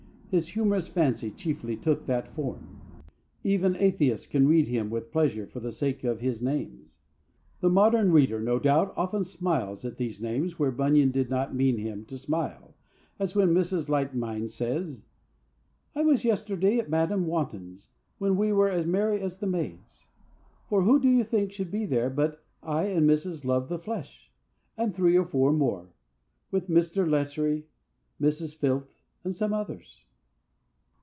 His humorous fancy chiefly took that form. Even atheists can read him with pleasure for the sake of his names. The modern reader, no doubt, often smiles at these names where Bunyan did not mean him to smile, as when Mrs. Lightmind says: "I was yesterday at Madam Wantons, when we were as merry as the maids. For who do you think should be there but I and Mrs. Love the flesh, and three or four more, with Mr. Lechery, Mrs. Filth, and some others?"